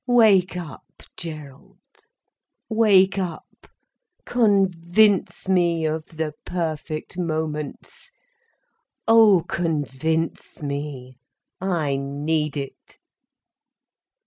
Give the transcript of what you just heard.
Wake up, Gerald, wake up, convince me of the perfect moments. Oh, convince me, I need it.